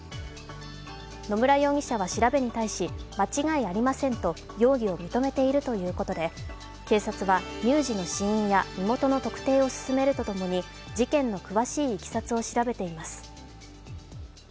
野村容疑者は調べに対し間違いありませんと容疑を認めているということで、警察は乳児の死因や身元の特定を進めるとともに事件の詳しいいきさつを調べています。